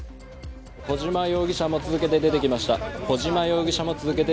小島容疑者も続けて出てきました。